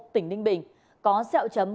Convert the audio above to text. tỉnh ninh bình có xeo chấm